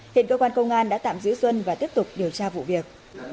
hiện cơ quan công an đã tạm giữ xuân và tiếp tục điều tra vụ việc